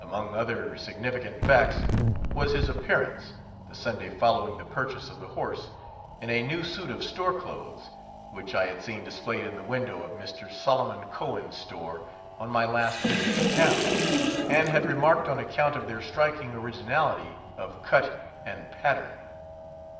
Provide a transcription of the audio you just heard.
Among other significant facts was his appearance, the Sunday following the purchase of the horse, in a new suit of store clothes, which I had seen displayed in the window of Mr. Solomon Cohen's store on my last visit to town, and had remarked on account of their striking originality of cut and pattern.